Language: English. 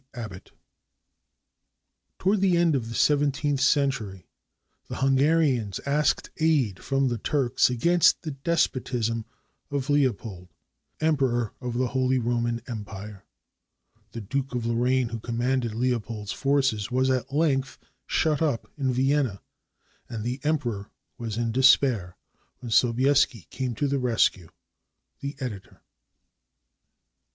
ABBOTT [Toward the end of the seventeenth century, the Hunga rians asked aid from the Turks against the despotism of Leo pold, Emperor of the Holy Roman Empire. The Duke of Lorraine, who commanded Leopold's forces, was at length shut up in Vienna, and the Emperor was in despair, when Sobieski came to the rescue. The Editor.